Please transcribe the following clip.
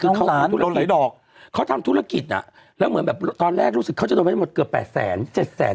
สงสารโดนไหลดอกเขาทำธุรกิจน่ะแล้วเหมือนแบบตอนแรกรู้สึกเขาจะโดนไปหมดเกือบ๘แสน๗แสน